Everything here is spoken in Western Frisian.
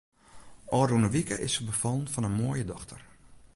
Ofrûne wike is se befallen fan in moaie dochter.